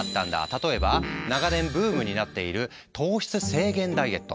例えば長年ブームになっている糖質制限ダイエット。